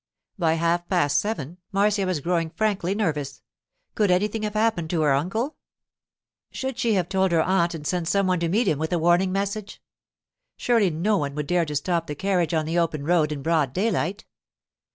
By half past seven Marcia was growing frankly nervous. Could anything have happened to her uncle? Should she have told her aunt and sent some one to meet him with a warning message? Surely no one would dare to stop the carriage on the open road in broad daylight.